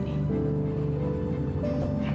aneh ada apa sih